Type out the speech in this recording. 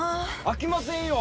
あきませんよ！